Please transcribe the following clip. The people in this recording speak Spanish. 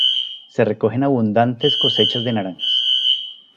Se recogen abundantes cosechas de naranjas.